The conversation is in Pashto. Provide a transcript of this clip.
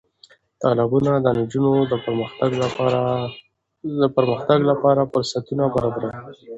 تالابونه د نجونو د پرمختګ لپاره فرصتونه برابروي.